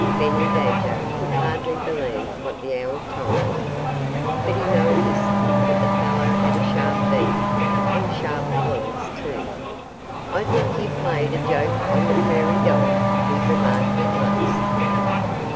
Benny Badger could hardly believe what the owl told him. But he noticed that the fellow had a sharp beak, and sharp claws too. "I should think you played a joke on the prairie dog," he remarked at last.